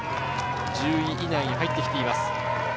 １０位以内に入ってきています。